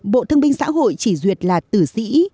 bộ thương binh xã hội chỉ duyệt là tử sĩ